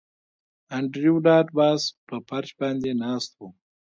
انډریو ډاټ باس په فرش باندې ناست و